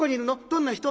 どんな人？